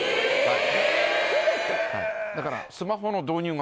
だから。